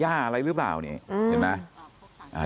อะไรหรือเปล่านี่เห็นไหม